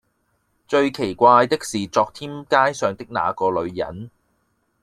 最奇怪的是昨天街上的那個女人，